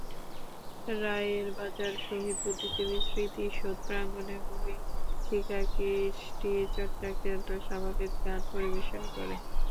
রায়েরবাজার শহীদ বুদ্ধিজীবী স্মৃতিসৌধ প্রাঙ্গণে বহ্নিশিখা, কৃষ্টি চর্চাকেন্দ্র সমবেত গান পরিবেশন করে।